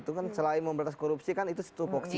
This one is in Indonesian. itu kan selain membatas korupsi kan itu stufoksi